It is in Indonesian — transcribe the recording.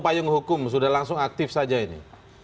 payung hukum sudah langsung aktif saja ini